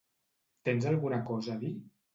Tens alguna cosa a dir?